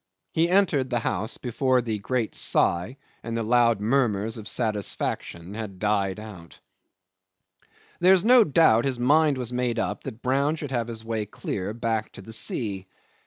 He entered the house before the great sigh, and the loud murmurs of satisfaction, had died out. 'There's no doubt his mind was made up that Brown should have his way clear back to the sea.